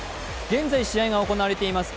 現在、試合が行われています